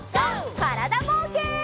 からだぼうけん。